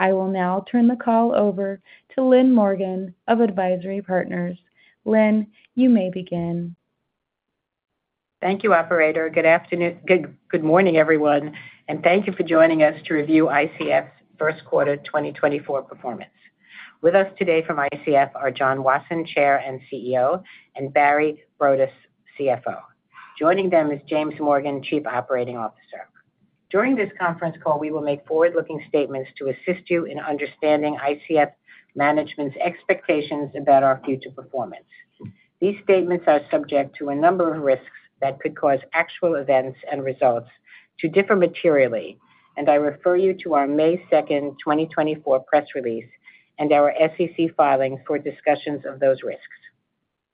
I will now turn the call over to Lynn Morgen of AdvisIRy Partners. Lynn, you may begin. Thank you, operator. Good afternoon—good morning, everyone, and thank you for joining us to review ICF's first quarter 2024 performance. With us today from ICF are John Wasson, Chair and CEO, and Barry Broadus, CFO. Joining them is James Morgan, Chief Operating Officer. During this conference call, we will make forward-looking statements to assist you in understanding ICF management's expectations about our future performance. These statements are subject to a number of risks that could cause actual events and results to differ materially, and I refer you to our May 2, 2024, press release and our SEC filings for discussions of those risks.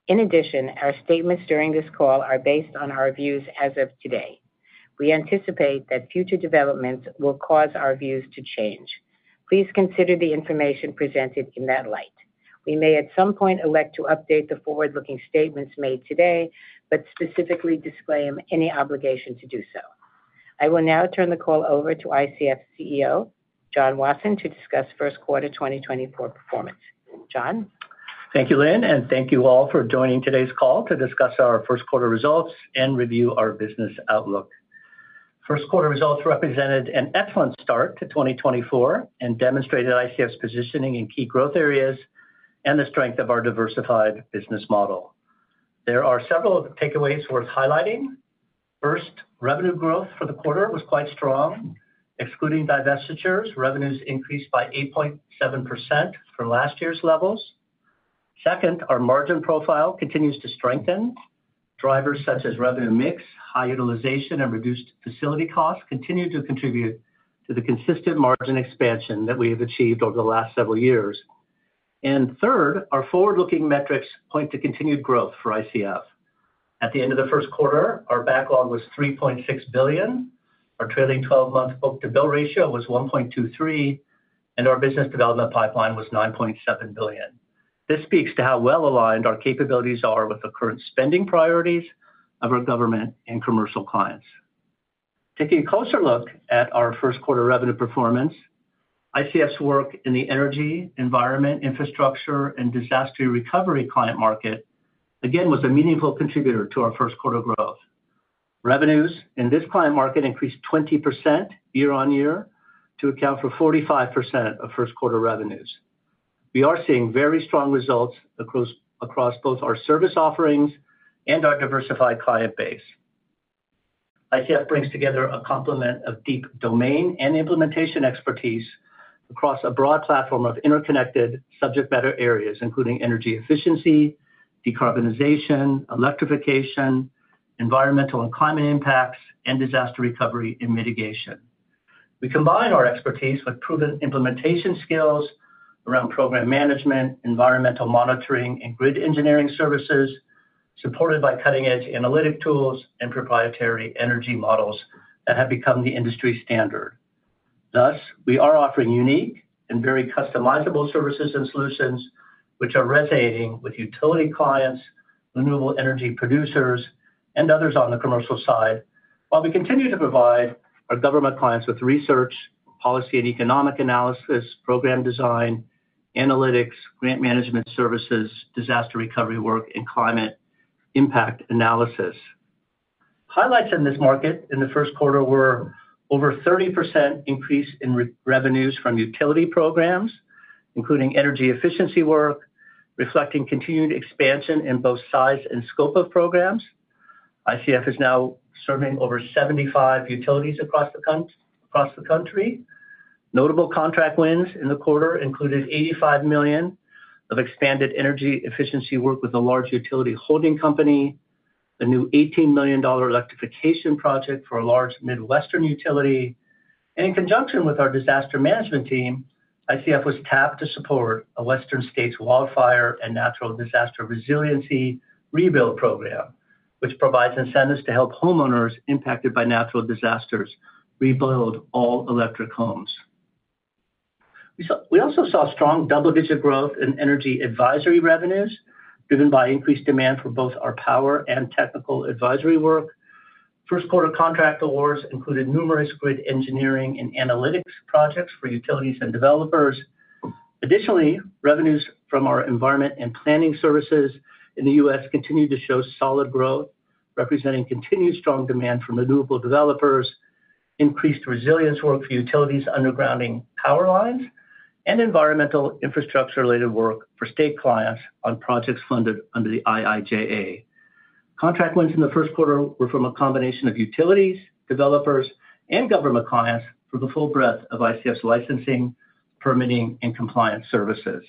In addition, our statements during this call are based on our views as of today. We anticipate that future developments will cause our views to change. Please consider the information presented in that light. We may, at some point, elect to update the forward-looking statements made today, but specifically disclaim any obligation to do so. I will now turn the call over to ICF's CEO, John Wasson, to discuss first quarter 2024 performance. John? Thank you, Lynn, and thank you all for joining today's call to discuss our first quarter results and review our business outlook. First quarter results represented an excellent start to 2024 and demonstrated ICF's positioning in key growth areas and the strength of our diversified business model. There are several takeaways worth highlighting. First, revenue growth for the quarter was quite strong. Excluding divestitures, revenues increased by 8.7% from last year's levels. Second, our margin profile continues to strengthen. Drivers such as revenue mix, high utilization, and reduced facility costs continue to contribute to the consistent margin expansion that we have achieved over the last several years. Third, our forward-looking metrics point to continued growth for ICF. At the end of the first quarter, our backlog was $3.6 billion, our trailing twelve-month book-to-bill ratio was 1.23, and our business development pipeline was $9.7 billion. This speaks to how well-aligned our capabilities are with the current spending priorities of our government and commercial clients. Taking a closer look at our first quarter revenue performance, ICF's work in the energy, environment, infrastructure, and disaster recovery client market again was a meaningful contributor to our first quarter growth. Revenues in this client market increased 20% year-on-year to account for 45% of first quarter revenues. We are seeing very strong results across both our service offerings and our diversified client base. ICF brings together a complement of deep domain and implementation expertise across a broad platform of interconnected subject matter areas, including energy efficiency, decarbonization, electrification, environmental and climate impacts, and disaster recovery and mitigation. We combine our expertise with proven implementation skills around program management, environmental monitoring, and grid engineering services, supported by cutting-edge analytic tools and proprietary energy models that have become the industry standard. Thus, we are offering unique and very customizable services and solutions, which are resonating with utility clients, renewable energy producers, and others on the commercial side, while we continue to provide our government clients with research, policy and economic analysis, program design, analytics, grant management services, disaster recovery work, and climate impact analysis. Highlights in this market in the first quarter were over 30% increase in revenues from utility programs, including energy efficiency work, reflecting continued expansion in both size and scope of programs. ICF is now serving over 75 utilities across the country. Notable contract wins in the quarter included $85 million of expanded energy efficiency work with a large utility holding company, a new $18 million electrification project for a large Midwestern utility. And in conjunction with our disaster management team, ICF was tapped to support a Western states wildfire and natural disaster resiliency rebuild program, which provides incentives to help homeowners impacted by natural disasters rebuild all-electric homes. We also saw strong double-digit growth in energy advisory revenues, driven by increased demand for both our power and technical advisory work. First quarter contract awards included numerous grid engineering and analytics projects for utilities and developers. Additionally, revenues from our environment and planning services in the U.S. continued to show solid growth, representing continued strong demand from renewable developers, increased resilience work for utilities' undergrounding power lines, and environmental infrastructure-related work for state clients on projects funded under the IIJA. Contract wins in the first quarter were from a combination of utilities, developers, and government clients for the full breadth of ICF's licensing, permitting, and compliance services.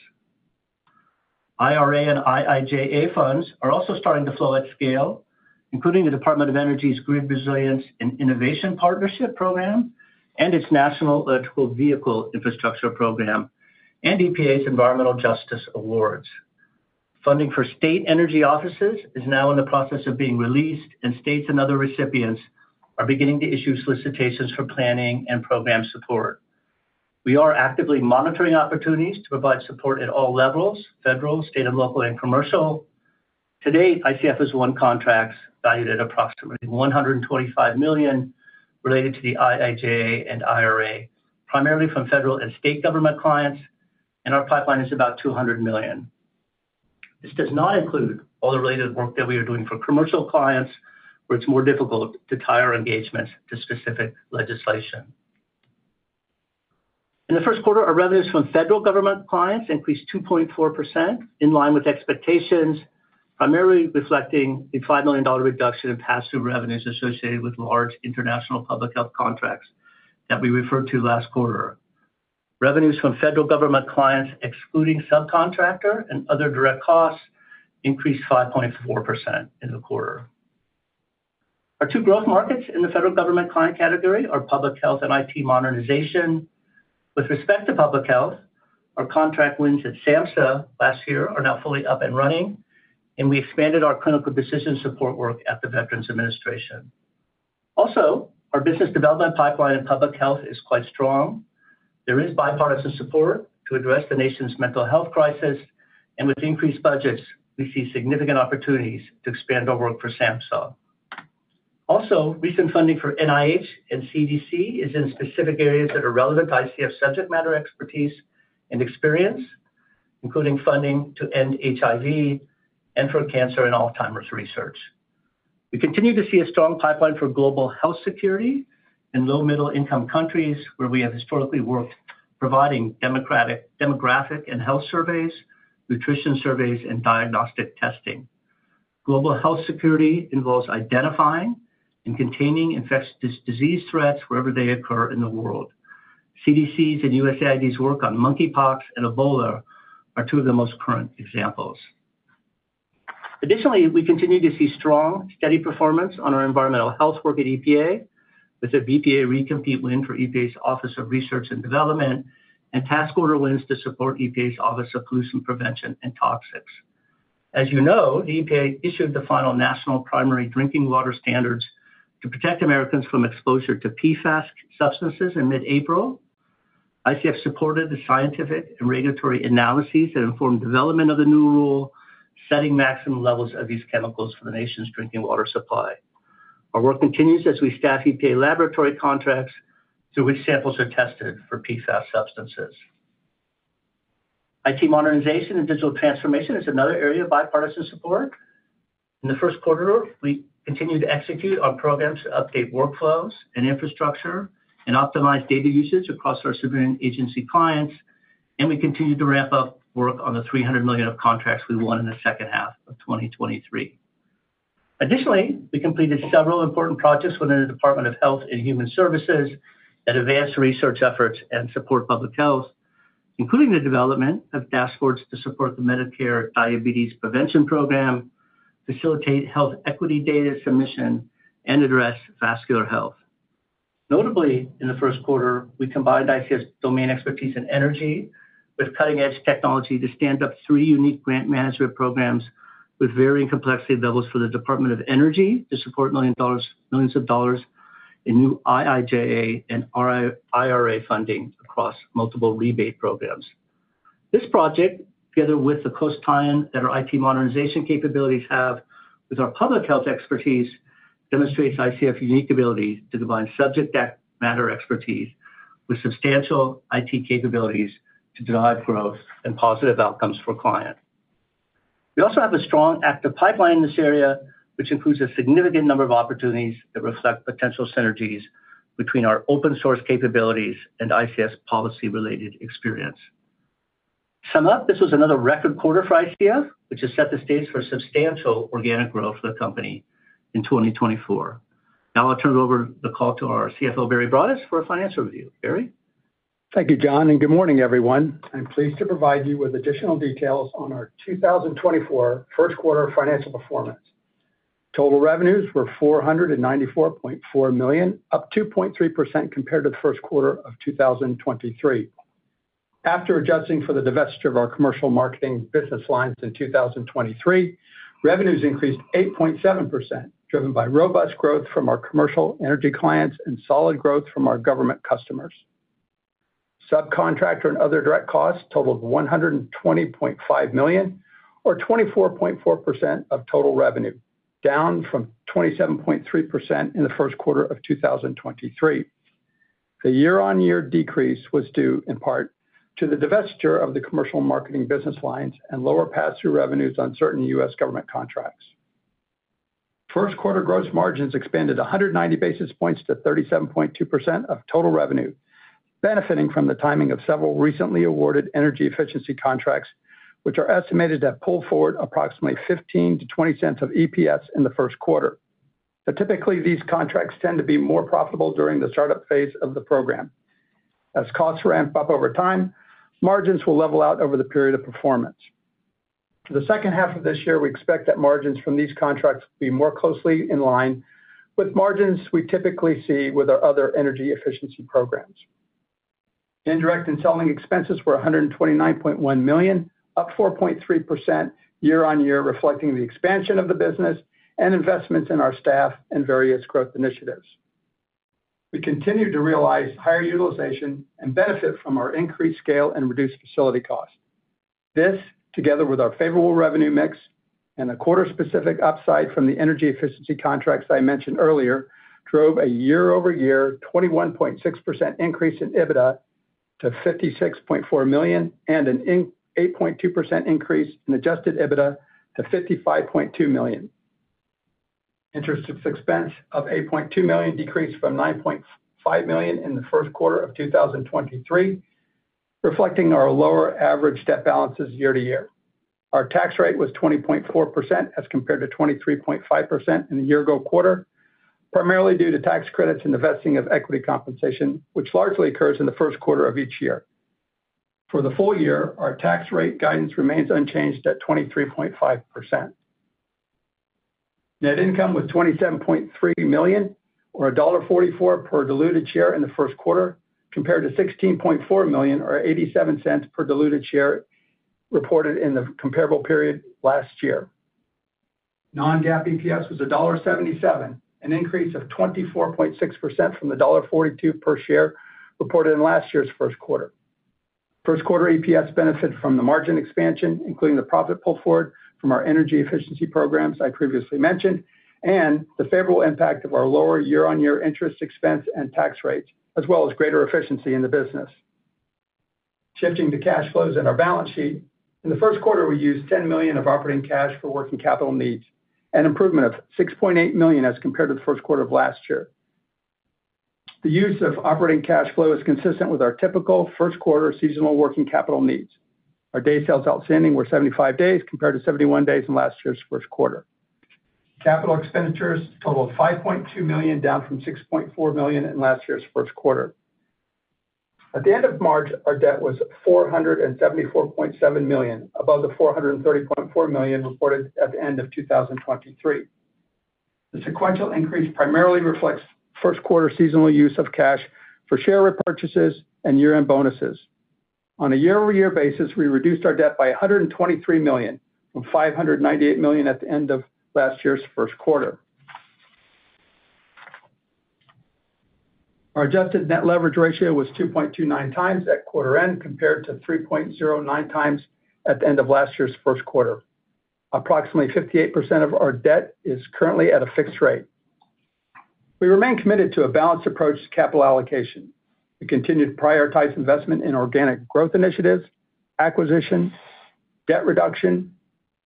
IRA and IIJA funds are also starting to flow at scale, including the Department of Energy's Grid Resilience and Innovation Partnerships Program and its National Electric Vehicle Infrastructure Program, and EPA's Environmental Justice Awards. Funding for state energy offices is now in the process of being released, and states and other recipients are beginning to issue solicitations for planning and program support. We are actively monitoring opportunities to provide support at all levels, federal, state, and local, and commercial. To date, ICF has won contracts valued at approximately $125 million related to the IIJA and IRA, primarily from federal and state government clients, and our pipeline is about $200 million. This does not include all the related work that we are doing for commercial clients, where it's more difficult to tie our engagements to specific legislation. In the first quarter, our revenues from federal government clients increased 2.4%, in line with expectations, primarily reflecting a $5 million reduction in pass-through revenues associated with large international public health contracts that we referred to last quarter. Revenues from federal government clients, excluding subcontractor and other direct costs, increased 5.4% in the quarter. Our two growth markets in the federal government client category are public health and IT modernization. With respect to public health, our contract wins at SAMHSA last year are now fully up and running, and we expanded our clinical decision support work at the Veterans Administration. Also, our business development pipeline in public health is quite strong. There is bipartisan support to address the nation's mental health crisis, and with increased budgets, we see significant opportunities to expand our work for SAMHSA. Also, recent funding for NIH and CDC is in specific areas that are relevant to ICF's subject matter, expertise, and experience, including funding to end HIV and for cancer and Alzheimer's research. We continue to see a strong pipeline for global health security in low- and middle-income countries, where we have historically worked, providing demographic and health surveys, nutrition surveys, and diagnostic testing. Global health security involves identifying and containing infectious disease threats wherever they occur in the world. CDC's and USAID's work on monkeypox and Ebola are two of the most current examples. Additionally, we continue to see strong, steady performance on our environmental health work at EPA, with a BPA recompete win for EPA's Office of Research and Development, and task order wins to support EPA's Office of Pollution Prevention and Toxics. As you know, the EPA issued the final National Primary Drinking Water Standards to protect Americans from exposure to PFAS substances in mid-April. ICF supported the scientific and regulatory analyses that informed development of the new rule, setting maximum levels of these chemicals for the nation's drinking water supply. Our work continues as we staff EPA laboratory contracts through which samples are tested for PFAS substances. IT modernization and digital transformation is another area of bipartisan support. In the first quarter, we continued to execute our programs to update workflows and infrastructure and optimize data usage across our civilian agency clients, and we continued to ramp up work on the $300 million of contracts we won in the second half of 2023. Additionally, we completed several important projects within the Department of Health and Human Services that advanced research efforts and support public health, including the development of dashboards to support the Medicare Diabetes Prevention Program, facilitate health equity data submission, and address vascular health. Notably, in the first quarter, we combined ICF's domain expertise in energy with cutting-edge technology to stand up three unique grant management programs with varying complexity levels for the Department of Energy to support $millions of dollars in new IIJA and IRA funding across multiple rebate programs. This project, together with the close tie-in that our IT modernization capabilities have with our public health expertise, demonstrates ICF's unique ability to combine subject matter expertise with substantial IT capabilities to drive growth and positive outcomes for clients. We also have a strong, active pipeline in this area, which includes a significant number of opportunities that reflect potential synergies between our open-source capabilities and ICF's policy-related experience. In sum, this was another record quarter for ICF, which has set the stage for substantial organic growth for the company in 2024. Now I'll turn over the call to our CFO, Barry Broadus, for a financial review. Barry? Thank you, John, and good morning, everyone. I'm pleased to provide you with additional details on our 2024 first quarter financial performance. Total revenues were $494.4 million, up 2.3% compared to the first quarter of 2023. After adjusting for the divestiture of our commercial marketing business lines in 2023, revenues increased 8.7%, driven by robust growth from our commercial energy clients and solid growth from our government customers. Subcontractor and other direct costs totaled $120.5 million, or 24.4% of total revenue, down from 27.3% in the first quarter of 2023. The year-on-year decrease was due in part to the divestiture of the commercial marketing business lines and lower pass-through revenues on certain U.S. government contracts. First quarter gross margins expanded 190 basis points to 37.2% of total revenue, benefiting from the timing of several recently awarded energy efficiency contracts, which are estimated to pull forward approximately $0.15-$0.20 of EPS in the first quarter. But typically, these contracts tend to be more profitable during the startup phase of the program. As costs ramp up over time, margins will level out over the period of performance. For the second half of this year, we expect that margins from these contracts will be more closely in line with margins we typically see with our other energy efficiency programs. Indirect and selling expenses were $129.1 million, up 4.3% year-on-year, reflecting the expansion of the business and investments in our staff and various growth initiatives.... We continued to realize higher utilization and benefit from our increased scale and reduced facility costs. This, together with our favorable revenue mix and a quarter-specific upside from the energy efficiency contracts I mentioned earlier, drove a year-over-year 21.6% increase in EBITDA to $56.4 million, and an 8.2% increase in adjusted EBITDA to $55.2 million. Interest expense of $8.2 million decreased from $9.5 million in the first quarter of 2023, reflecting our lower average debt balances year to year. Our tax rate was 20.4% as compared to 23.5% in the year ago quarter, primarily due to tax credits and the vesting of equity compensation, which largely occurs in the first quarter of each year. For the full year, our tax rate guidance remains unchanged at 23.5%. Net income was $27.3 million, or $1.44 per diluted share in the first quarter, compared to $16.4 million, or $0.87 per diluted share, reported in the comparable period last year. Non-GAAP EPS was $1.77, an increase of 24.6% from the $1.42 per share reported in last year's first quarter. First quarter EPS benefited from the margin expansion, including the profit pull forward from our energy efficiency programs I previously mentioned, and the favorable impact of our lower year-on-year interest expense and tax rates, as well as greater efficiency in the business. Shifting to cash flows and our balance sheet. In the first quarter, we used $10 million of operating cash for working capital needs, an improvement of $6.8 million as compared to the first quarter of last year. The use of operating cash flow is consistent with our typical first quarter seasonal working capital needs. Our day sales outstanding were 75 days, compared to 71 days in last year's first quarter. Capital expenditures totaled $5.2 million, down from $6.4 million in last year's first quarter. At the end of March, our debt was $474.7 million, above the $430.4 million reported at the end of 2023. The sequential increase primarily reflects first quarter seasonal use of cash for share repurchases and year-end bonuses. On a year-over-year basis, we reduced our debt by $123 million, from $598 million at the end of last year's first quarter. Our adjusted net leverage ratio was 2.29 times at quarter end, compared to 3.09 times at the end of last year's first quarter. Approximately 58% of our debt is currently at a fixed rate. We remain committed to a balanced approach to capital allocation. We continue to prioritize investment in organic growth initiatives, acquisitions, debt reduction,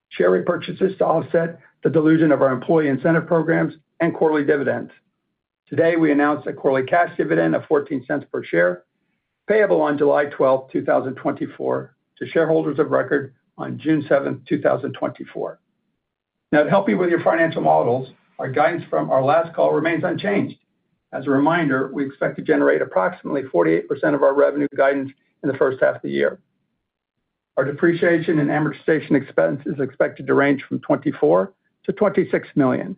share repurchases to offset the dilution of our employee incentive programs, and quarterly dividends. Today, we announced a quarterly cash dividend of $0.14 per share, payable on July 12, 2024, to shareholders of record on June 7, 2024. Now, to help you with your financial models, our guidance from our last call remains unchanged. As a reminder, we expect to generate approximately 48% of our revenue guidance in the first half of the year. Our depreciation and amortization expense is expected to range from $24 million-$26 million.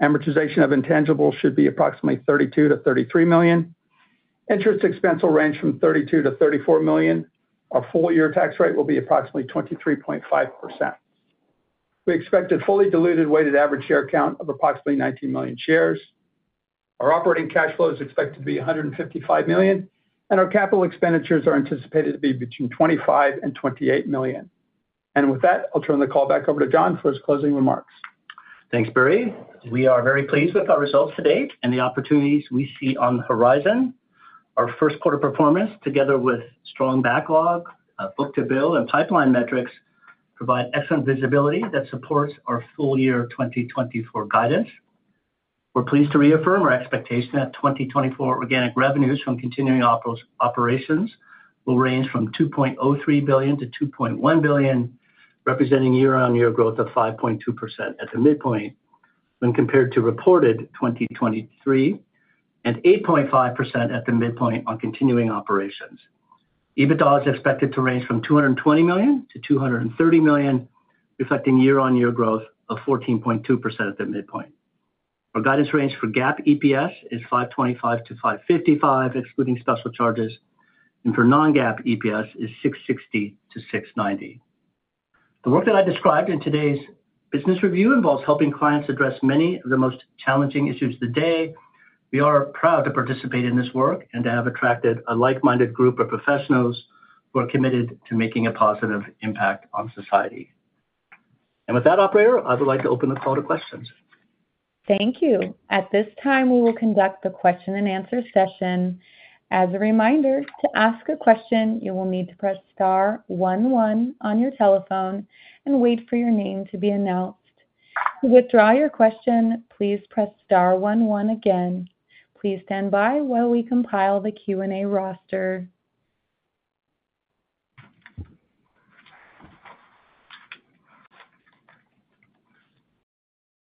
Amortization of intangibles should be approximately $32 million-$33 million. Interest expense will range from $32 million-$34 million. Our full year tax rate will be approximately 23.5%. We expect a fully diluted weighted average share count of approximately 19 million shares. Our operating cash flow is expected to be $155 million, and our capital expenditures are anticipated to be between $25 million-$28 million. With that, I'll turn the call back over to John for his closing remarks. Thanks, Barry. We are very pleased with our results to date and the opportunities we see on the horizon. Our first quarter performance, together with strong backlog, book-to-bill, and pipeline metrics, provide excellent visibility that supports our full year 2024 guidance. We're pleased to reaffirm our expectation that 2024 organic revenues from continuing operations will range from $2.03 billion-$2.1 billion, representing year-on-year growth of 5.2% at the midpoint when compared to reported 2023, and 8.5% at the midpoint on continuing operations. EBITDA is expected to range from $220 million-$230 million, reflecting year-on-year growth of 14.2% at the midpoint. Our guidance range for GAAP EPS is 5.25-5.55, excluding special charges, and for non-GAAP EPS is 6.60-6.90. The work that I described in today's business review involves helping clients address many of the most challenging issues of the day. We are proud to participate in this work and to have attracted a like-minded group of professionals who are committed to making a positive impact on society. With that, operator, I would like to open the call to questions. Thank you. At this time, we will conduct a question-and-answer session. As a reminder, to ask a question, you will need to press star one one on your telephone and wait for your name to be announced. To withdraw your question, please press star one one again. Please stand by while we compile the Q&A roster.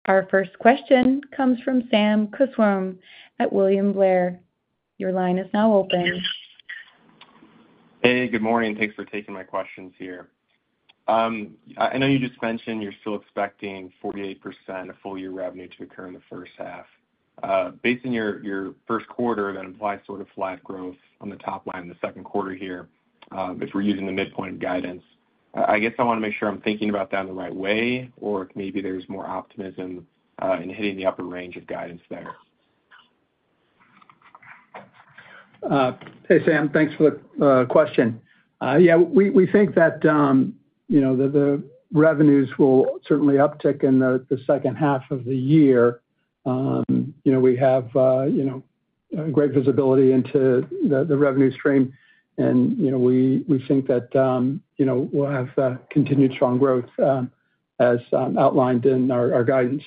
Our first question comes from Sam Kusswurm at William Blair. Your line is now open. Hey, good morning, and thanks for taking my questions here. I know you just mentioned you're still expecting 48% of full-year revenue to occur in the first half. Based on your first quarter, that implies sort of flat growth on the top line in the second quarter here, if we're using the midpoint guidance. I guess I want to make sure I'm thinking about that in the right way, or if maybe there's more optimism in hitting the upper range of guidance there. Hey, Sam, thanks for the question. Yeah, we think that, you know, the revenues will certainly uptick in the second half of the year. You know, we have great visibility into the revenue stream, and, you know, we think that, you know, we'll have continued strong growth, as outlined in our guidance.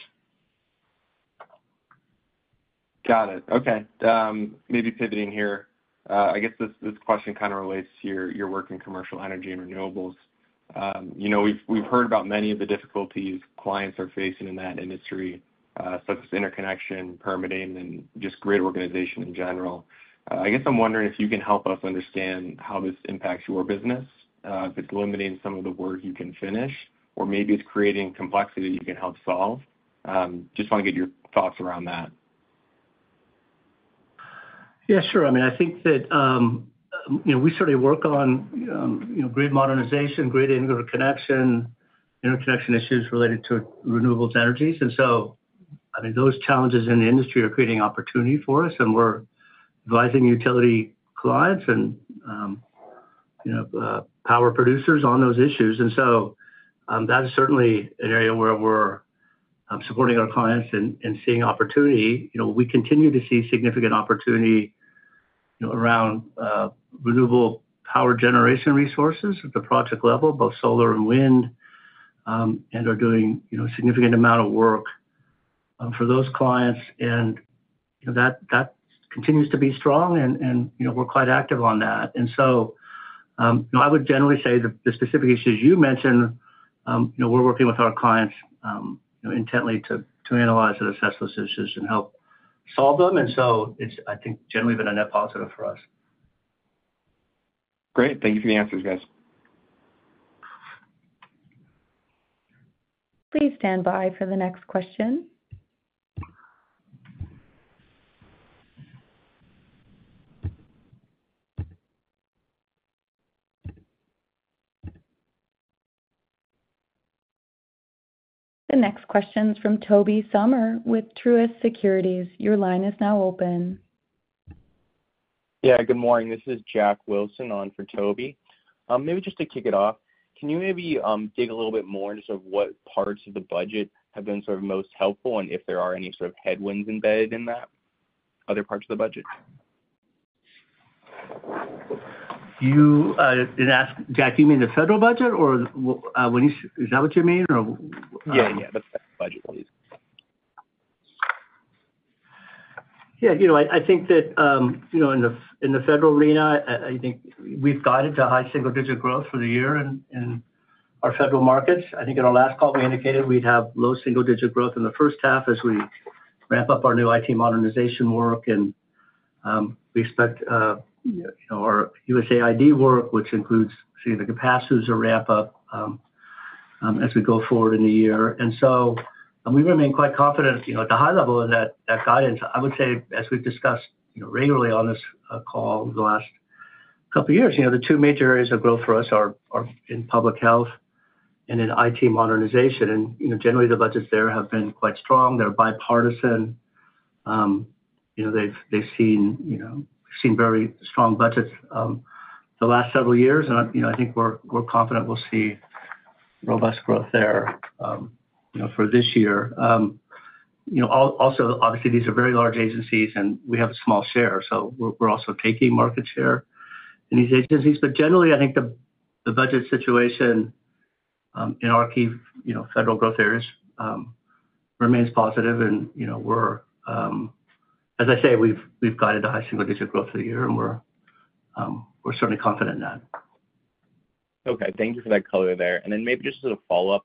Got it. Okay. Maybe pivoting here. I guess this question kind of relates to your work in commercial energy and renewables. You know, we've heard about many of the difficulties clients are facing in that industry, such as interconnection, permitting, and just grid organization in general. I guess I'm wondering if you can help us understand how this impacts your business, if it's limiting some of the work you can finish, or maybe it's creating complexity that you can help solve. Just wanna get your thoughts around that. Yeah, sure. I mean, I think that, you know, we sort of work on, you know, grid modernization, grid interconnection, interconnection issues related to renewable energies. And so, I mean, those challenges in the industry are creating opportunity for us, and we're advising utility clients and, you know, power producers on those issues. And so, that is certainly an area where we're supporting our clients and seeing opportunity. You know, we continue to see significant opportunity, you know, around renewable power generation resources at the project level, both solar and wind, and are doing, you know, a significant amount of work for those clients. And, you know, that continues to be strong and, you know, we're quite active on that. And so, you know, I would generally say the specific issues you mentioned, you know, we're working with our clients, you know, intently to analyze and assess those issues and help solve them, and so it's, I think, generally been a net positive for us. Great. Thank you for the answers, guys. Please stand by for the next question. The next question's from Toby Sommer with Truist Securities. Your line is now open. Yeah, good morning. This is Jack Wilson on for Toby. Maybe just to kick it off, can you maybe dig a little bit more in just of what parts of the budget have been sort of most helpful, and if there are any sort of headwinds embedded in that, other parts of the budget? You did ask, Jack, you mean the federal budget, or when you— Is that what you mean, or? Yeah, yeah, the federal budget, please. Yeah, you know, I think that, you know, in the federal arena, I think we've guided to high single digit growth for the year in our federal markets. I think in our last call, we indicated we'd have low single digit growth in the first half as we ramp up our new IT modernization work, and we expect, you know, our USAID work, which includes seeing the capacities to ramp up, as we go forward in the year. And so, we remain quite confident, you know, at the high level of that guidance. I would say, as we've discussed, you know, regularly on this call over the last couple of years, you know, the two major areas of growth for us are in public health and in IT modernization. And, you know, generally the budgets there have been quite strong. They're bipartisan. You know, they've seen very strong budgets the last several years, and, you know, I think we're confident we'll see robust growth there, you know, for this year. You know, also, obviously, these are very large agencies, and we have a small share, so we're also taking market share in these agencies. But generally, I think the budget situation in our key, you know, federal growth areas remains positive. And, you know, as I say, we've guided the high single digit growth for the year, and we're certainly confident in that. Okay, thank you for that color there. And then maybe just as a follow-up,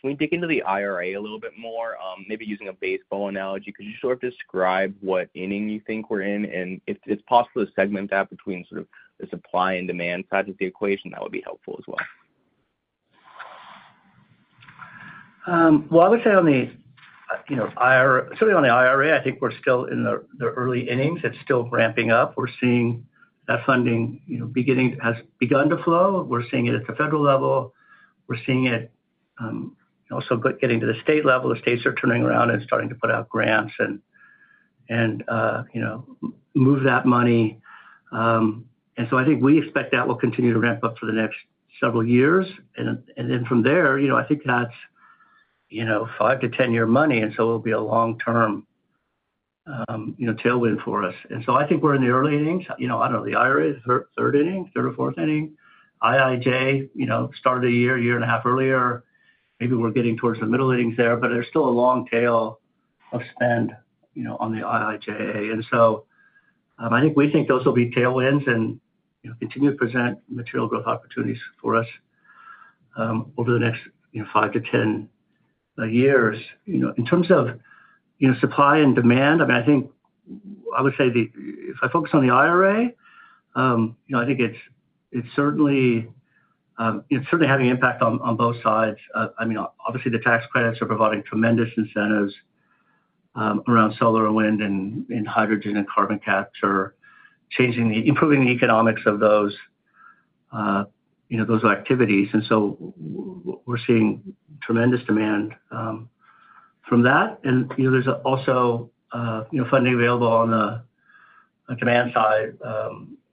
can we dig into the IRA a little bit more, maybe using a baseball analogy? Could you sort of describe what inning you think we're in? And if it's possible to segment that between sort of the supply and demand side of the equation, that would be helpful as well. Well, I would say on the, you know, IR- certainly on the IRA, I think we're still in the early innings. It's still ramping up. We're seeing that funding, you know, has begun to flow. We're seeing it at the federal level. We're seeing it also getting to the state level. The states are turning around and starting to put out grants and, you know, move that money. And so I think we expect that will continue to ramp up for the next several years. And then from there, you know, I think that's, you know, 5-10-year money, and so it'll be a long-term, you know, tailwind for us. And so I think we're in the early innings. You know, I don't know, the IRA is third inning, third or fourth inning. IIJA, you know, started a year, year and a half earlier. Maybe we're getting towards the middle innings there, but there's still a long tail of spend, you know, on the IIJA. And so, I think we think those will be tailwinds and, you know, continue to present material growth opportunities for us, over the next, you know, 5-10, years. You know, in terms of, you know, supply and demand, I mean, I think I would say the... If I focus on the IRA, you know, I think it's, it's certainly, it's certainly having an impact on, on both sides. I mean, obviously, the tax credits are providing tremendous incentives... around solar and wind and, and hydrogen and carbon capture, changing the improving the economics of those, you know, those activities. And so we're seeing tremendous demand, from that. You know, there's also you know, funding available on the demand side.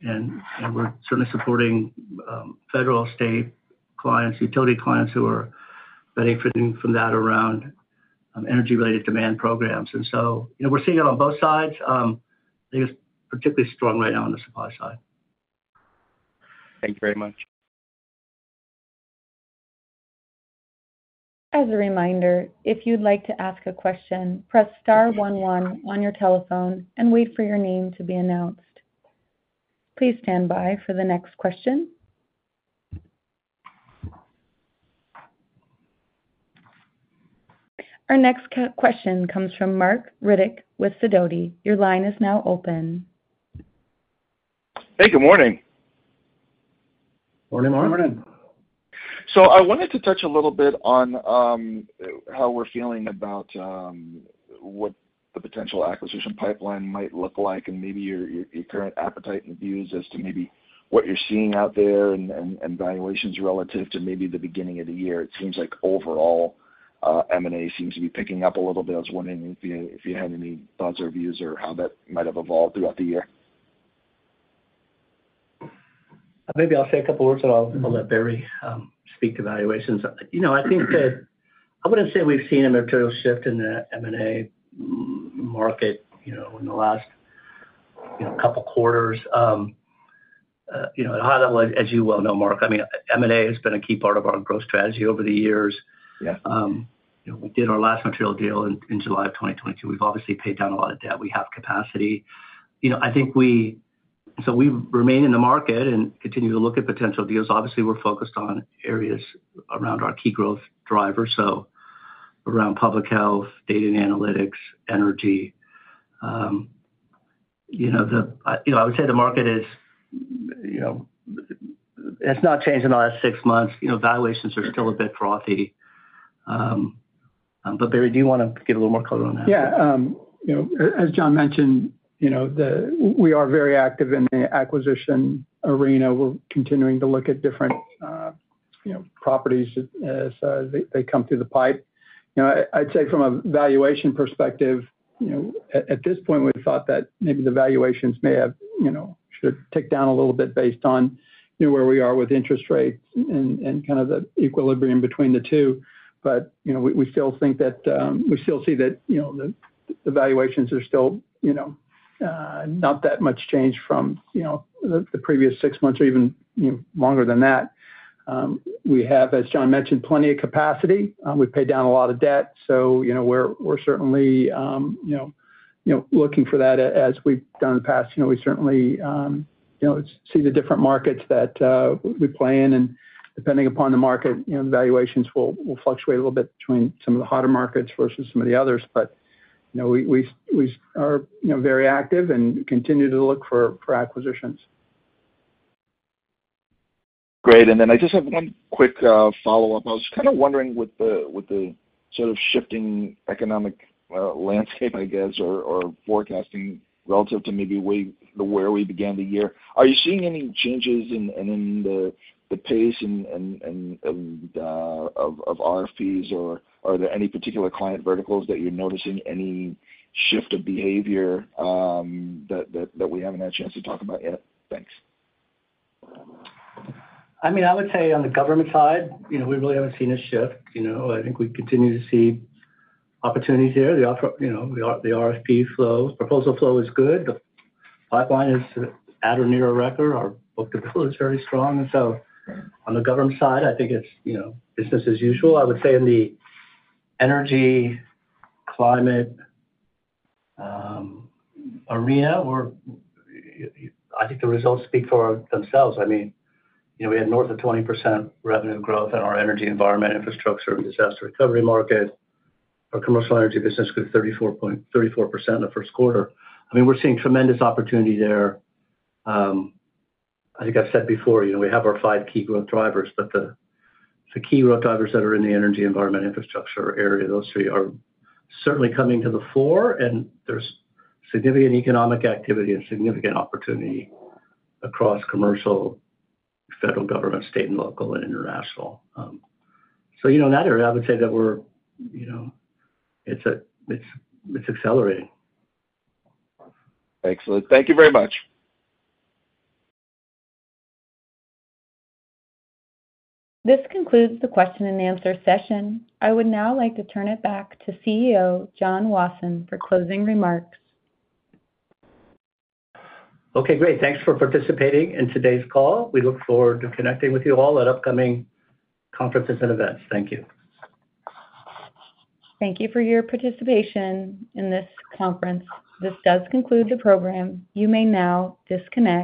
And we're certainly supporting federal, state clients, utility clients who are benefiting from that around energy-related demand programs. So, you know, we're seeing it on both sides. I think it's particularly strong right now on the supply side. Thank you very much. As a reminder, if you'd like to ask a question, press star one one on your telephone and wait for your name to be announced. Please stand by for the next question. Our next question comes from Marc Riddick with Sidoti. Your line is now open. Hey, good morning. Morning, Mark. Morning. So I wanted to touch a little bit on how we're feeling about what the potential acquisition pipeline might look like, and maybe your current appetite and views as to maybe what you're seeing out there and valuations relative to maybe the beginning of the year. It seems like overall, M&A seems to be picking up a little bit. I was wondering if you had any thoughts or views or how that might have evolved throughout the year? Maybe I'll say a couple words, and I'll let Barry speak to valuations. You know, I think that I wouldn't say we've seen a material shift in the M&A market, you know, in the last couple quarters. You know, at a high level, as you well know, Marc, I mean, M&A has been a key part of our growth strategy over the years. Yeah. You know, we did our last material deal in July of 2022. We've obviously paid down a lot of debt. We have capacity. You know, I think we. So we remain in the market and continue to look at potential deals. Obviously, we're focused on areas around our key growth drivers, so around public health, data and analytics, energy. You know, the. You know, I would say the market is, you know, it's not changed in the last six months. You know, valuations are still a bit frothy. But Barry, do you wanna give a little more color on that? Yeah. You know, as John mentioned, you know, we are very active in the acquisition arena. We're continuing to look at different, you know, properties as they come through the pipe. You know, I'd say from a valuation perspective, you know, at this point, we thought that maybe the valuations may have, you know, should tick down a little bit based on, you know, where we are with interest rates and kind of the equilibrium between the two. But, you know, we still think that we still see that, you know, the valuations are still, you know, not that much changed from, you know, the previous six months or even, you know, longer than that. We have, as John mentioned, plenty of capacity. We've paid down a lot of debt, so, you know, we're certainly looking for that as we've done in the past. You know, we certainly see the different markets that we play in, and depending upon the market, you know, the valuations will fluctuate a little bit between some of the hotter markets versus some of the others. But, you know, we are very active and continue to look for acquisitions. Great. And then I just have one quick follow-up. I was kind of wondering, with the sort of shifting economic landscape, I guess, or forecasting relative to maybe where we began the year, are you seeing any changes in the pace and of RFPs? Or are there any particular client verticals that you're noticing any shift of behavior, that we haven't had a chance to talk about yet? Thanks. I mean, I would say on the government side, you know, we really haven't seen a shift. You know, I think we continue to see opportunities here. The RFP flow, proposal flow is good. The pipeline is at or near a record. Our book deployment is very strong. And so on the government side, I think it's, you know, business as usual. I would say in the energy climate arena, we're, I think the results speak for themselves. I mean, you know, we had more than 20% revenue growth in our energy environment, infrastructure, and disaster recovery market. Our commercial energy business grew 34.34% in the first quarter. I mean, we're seeing tremendous opportunity there. I think I've said before, you know, we have our five key growth drivers, but the key growth drivers that are in the energy environment, infrastructure area, those three are certainly coming to the fore, and there's significant economic activity and significant opportunity across commercial, federal government, state and local, and international. So you know, in that area, I would say that we're, you know, it's accelerating. Excellent. Thank you very much. This concludes the question and answer session. I would now like to turn it back to CEO, John Wasson, for closing remarks. Okay, great. Thanks for participating in today's call. We look forward to connecting with you all at upcoming conferences and events. Thank you. Thank you for your participation in this conference. This does conclude the program. You may now disconnect.